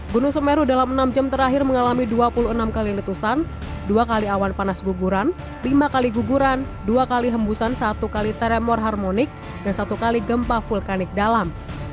gunung semeru dalam enam jam terakhir mengalami dua puluh enam kali letusan dua kali awan panas guguran lima kali guguran dua kali hembusan satu kali teremor harmonik dan satu kali gempa vulkanik dalam